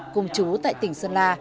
cùng chú tại tỉnh sơn la